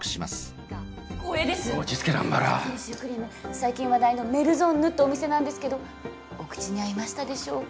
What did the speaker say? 最近話題のメルゾンヌってお店なんですけどお口に合いましたでしょうか？